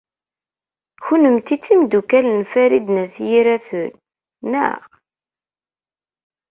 Kennemti d timeddukal n Farid n At Yiraten, naɣ?